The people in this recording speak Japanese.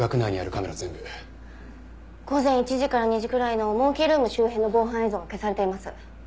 午前１時から２時くらいのモンキールーム周辺の防犯映像が消されています。